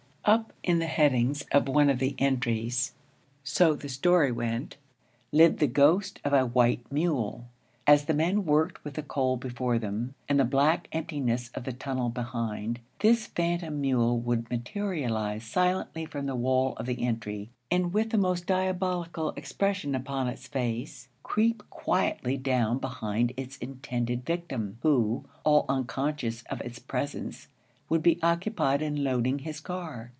Up in the headings of one of the entries so the story went lived the ghost of a white mule. As the men worked with the coal before them, and the black emptiness of the tunnel behind, this phantom mule would materialize silently from the wall of the entry, and with the most diabolical expression upon its face, creep quietly down behind its intended victim, who all unconscious of its presence would be occupied in loading his car.